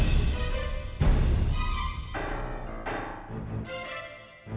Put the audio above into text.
eg kita arya mendatemi